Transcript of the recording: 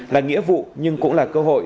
là nghĩa vụ nhưng cũng là cơ hội